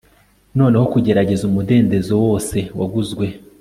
Noneho kugerageza umudendezo wose waguzwe